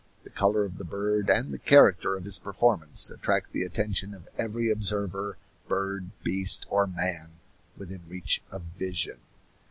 The color of the bird and the character of his performance attract the attention of every observer, bird, beast, or man, within reach of vision.